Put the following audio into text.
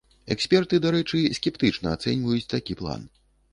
Эксперты, дарэчы, скептычна ацэньваюць такі план.